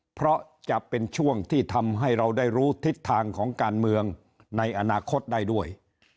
เพราะจะเป็นช่วงที่ทำให้เราได้รู้ทิศทางของการเมืองในอนาคตได้ด้วย